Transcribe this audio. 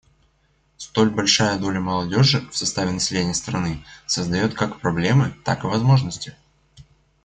Столь большая доля молодежи в составе населения страны создает как проблемы, так и возможности.